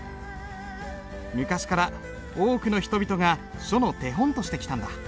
昔から多くの人々が書の手本としてきたんだ。